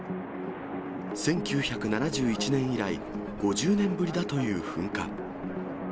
１９７１年以来５０年ぶりだという噴火。